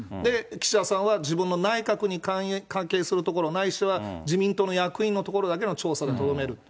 岸田さんは、自分の内閣に関係するところ、ないしは自民党の役員のところだけの調査にとどめると。